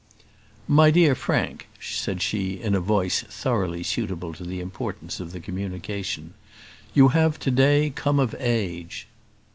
"My dear Frank," said she, in a voice thoroughly suitable to the importance of the communication, "you have to day come of age."